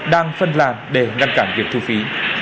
đang phân làn để ngăn cản việc thu phí